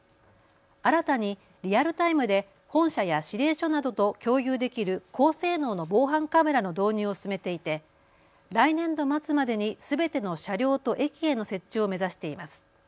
新たにリアルタイムで本社や指令所などと共有できる高性能の防犯カメラの導入を進めていて来年度末までにすべての車両と駅への設置を目指しています。